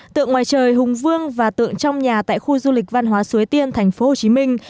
tượng ngoài trời hùng vương và tượng trong nhà tại khu du lịch văn hóa suối tiên thành phố hồ chí minh